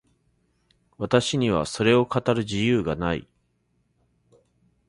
私にはそれを語る自由がない。